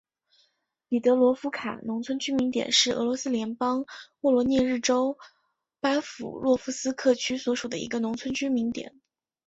彼得罗夫卡农村居民点是俄罗斯联邦沃罗涅日州巴甫洛夫斯克区所属的一个农村居民点。